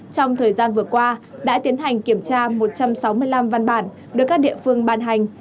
trong thời gian vừa qua đã tiến hành kiểm tra một trăm sáu mươi năm văn bản được các địa phương ban hành